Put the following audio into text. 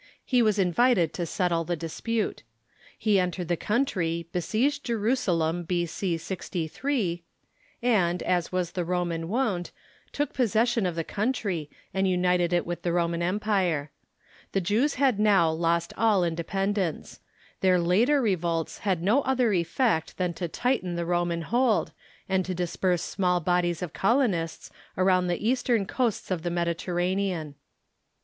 He Avas invited to settle the dis pute. He entered the country, besieged Jerusalem b.c. 63, and, as Avas the Roman wont, took possession of the country, THE ATTITUDE OF JUDAISM TOWAKDS CHRISTIANITY 15 and united it with the Roman Empire. The Jews had now lost all independence. Their later revolts had no other effect than to tighten the Roman hold, and to disperse small bodies of colonists around the eastern coasts of the Mediterranean.